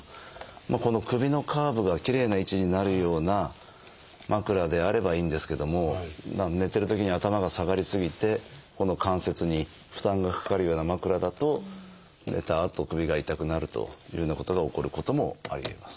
この首のカーブがきれいな位置になるような枕であればいいんですけども寝てるときに頭が下がり過ぎてここの関節に負担がかかるような枕だと寝たあと首が痛くなるというようなことが起こることもありえます。